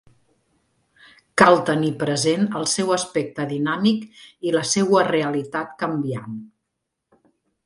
Cal tenir present el seu aspecte dinàmic i la seua realitat canviant.